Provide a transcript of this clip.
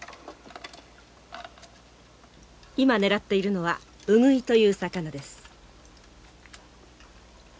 今狙っているのはウグイという魚です。